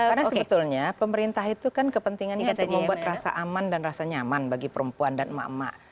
karena sebetulnya pemerintah itu kan kepentingannya itu membuat rasa aman dan rasa nyaman bagi perempuan dan emak emak